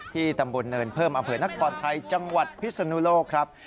ตำบลเนินเพิ่มอำเภอนครไทยจังหวัดพิศนุโลกครับ